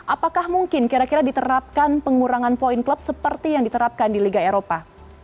apakah mungkin kira kira diterapkan pengurangan poin klub seperti yang diterapkan di liga eropa